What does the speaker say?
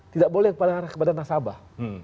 tidak boleh pada nasabah